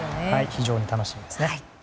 非常に楽しみですね。